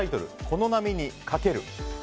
「この波にかける」。